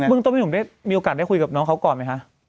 แล้วเมื่อไหนผมได้มีโอกาสได้คุยกับน้องเขาก่อนไหมฮะ